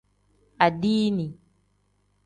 Adiini.